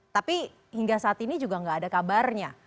tapi hingga saat ini juga nggak ada kabarnya